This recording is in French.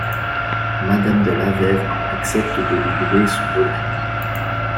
Madame de Lavèvre accepte de lui louer son domaine.